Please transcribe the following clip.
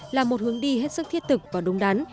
là một hướng đi hết sức thiết thực và đúng đắn